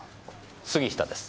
杉下です。